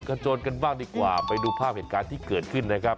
โจรกันบ้างดีกว่าไปดูภาพเหตุการณ์ที่เกิดขึ้นนะครับ